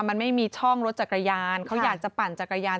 มันไม่มีช่องรถจักรยานเขาอยากจะปั่นจักรยาน